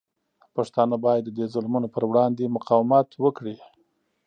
پښتانه باید د دې ظلمونو پر وړاندې مقاومت وکړي.